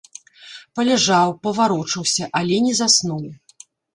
Паляжаў, паварочаўся, але не заснуў.